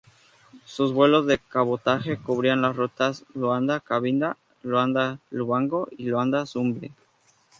Sus vuelos de cabotaje cubrían las rutas Luanda-Cabinda, Luanda-Lubango y Luanda-Sumbe.